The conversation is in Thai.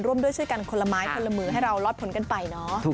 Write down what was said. ร่วมด้วยช่วยกันคนละไม้คนละมือให้เรารอดผลกันไปเนาะ